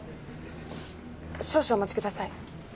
少々お待ちください。